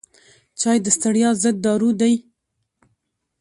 چای د ستړیا ضد دارو دی.